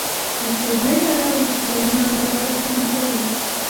د سپوږمۍ رڼا د خيالونو لاره روښانه کوي.